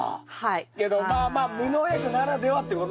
けどまあまあ無農薬ならではってことですよね。